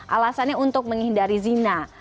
alasannya untuk menghindari zina